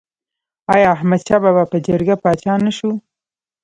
آیا احمد شاه بابا په جرګه پاچا نه شو؟